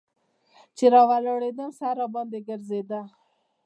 چې راولاړېدم سر راباندې ګرځېده.